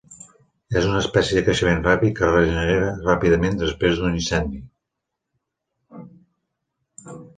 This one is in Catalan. És una espècie de creixement ràpid que es regenera ràpidament després d'un incendi.